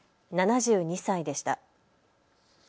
７２歳でした。